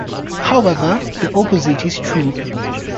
However, the opposite is true.